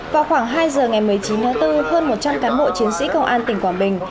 vào khoảng hai giờ ngày một mươi chín tháng bốn hơn một trăm linh cán bộ chiến sĩ công an tỉnh quảng bình